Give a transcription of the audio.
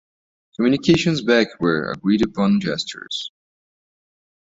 Communications back were agreed-upon gestures.